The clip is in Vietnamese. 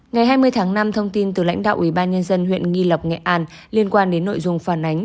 ngày hai mươi tháng năm thông tin từ lãnh đạo ủy ban nhân dân huyện nghi lộc nghệ an liên quan đến nội dung phản ánh